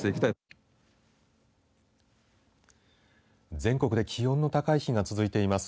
全国で気温の高い日が続いています。